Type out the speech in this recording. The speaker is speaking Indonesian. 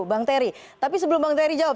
bang terry tapi sebelum bang terry jawab